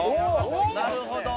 なるほど！